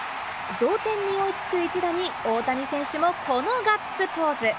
同点に追いつく一打に大谷選手もこのガッツポーズ。